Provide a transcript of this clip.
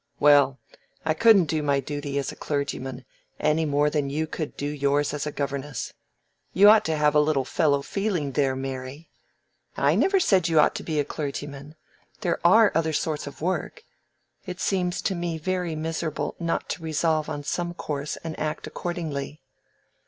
"Well, I couldn't do my duty as a clergyman, any more than you could do yours as a governess. You ought to have a little fellow feeling there, Mary." "I never said you ought to be a clergyman. There are other sorts of work. It seems to me very miserable not to resolve on some course and act accordingly."